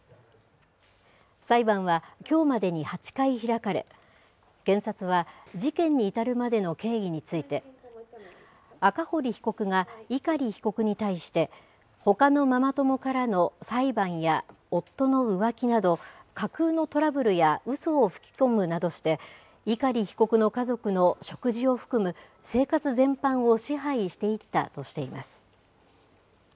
裁判はきょうまでに８回開かれ、検察は、事件に至るまでの経緯について、赤堀被告が碇被告に対して、ほかのママ友からの裁判や夫の浮気など、架空のトラブルやうそを吹き込むなどして、碇被告の家族の食事を含む生活全般を支配していったとしています。